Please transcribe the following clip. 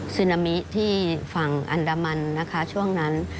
ซึนามิที่ฝั่งอันดามันนะคะช่วงนั้น